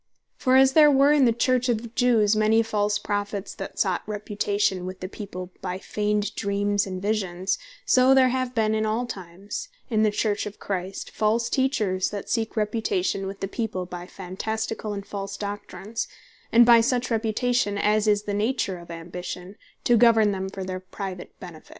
For as there ware in the Church of the Jews, many false Prophets, that sought reputation with the people, by feigned Dreams, and Visions; so there have been in all times in the Church of Christ, false Teachers, that seek reputation with the people, by phantasticall and false Doctrines; and by such reputation (as is the nature of Ambition,) to govern them for their private benefit.